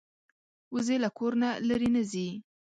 وزې له کور نه لرې نه ځي